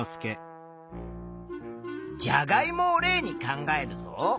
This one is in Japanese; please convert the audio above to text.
じゃがいもを例に考えるぞ。